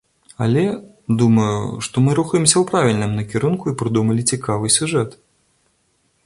Але, думаю, што мы рухаемся ў правільным накірунку і прыдумалі цікавы сюжэт.